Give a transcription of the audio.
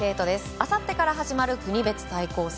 あさってから始まる国別対抗戦。